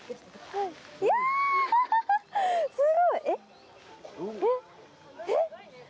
すごい！え？